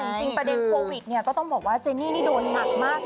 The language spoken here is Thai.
จริงประเด็นโควิดเนี่ยก็ต้องบอกว่าเจนี่นี่โดนหนักมาก